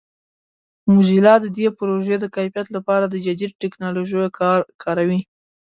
موزیلا د دې پروژې د کیفیت لپاره د جدید ټکنالوژیو کاروي.